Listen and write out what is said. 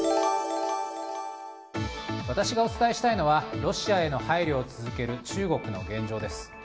私がお伝えしたいのはロシアへの配慮を続ける中国の現状です。